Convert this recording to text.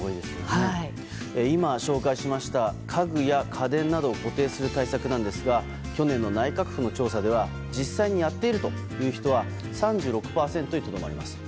今、紹介しました家具や家電などを固定する対策ですが去年の内閣府の調査では実際にやっているという人は３６％にとどまります。